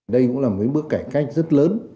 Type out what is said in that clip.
đây cũng là một bước cải cách rất lớn